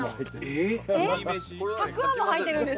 えったくあんも入ってるんですか？